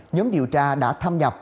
nhóm điều tra đã tham nhập